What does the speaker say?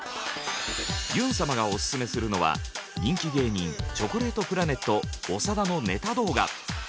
ゆん様がオススメするのは人気芸人チョコレートプラネット長田のネタ動画。